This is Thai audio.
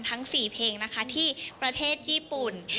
ทั้ง๔เพลงนะคะที่ประเทศญี่ปุ่น